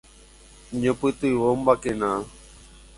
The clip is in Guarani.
Ñañopytyvõmbákena.